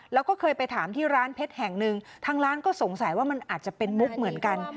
แล้วก็เคยไปถามที่ร้านเพชรแห่งหนึ่งทางร้านก็สงสัยว่ามันอาจจะเป็นมุกเหมือนกัน